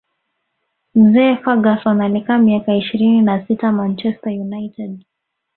mzee Ferguson alikaa miaka ishirini na sita manchester united